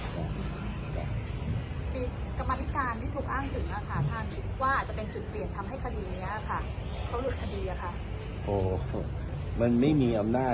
แล้วนะทุกอย่างทำไปตามขั้นตอนนะ